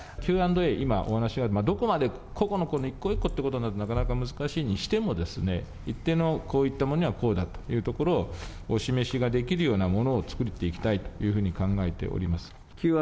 Ｑ＆Ａ、今、お話があった、個々の一個一個ということになると、なかなか難しいにしても、一定のこういったものにはこうだというところを、お示しができるようなものを作っていきたいというふうに考えております。